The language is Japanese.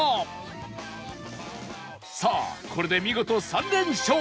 さあこれで見事３連勝